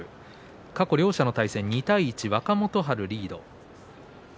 過去、両者の対戦は２対１若元春リード。